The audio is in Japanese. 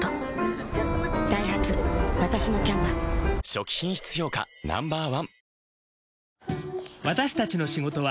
初期品質評価Ｎｏ．１